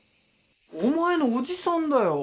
お前の叔父さんだよ。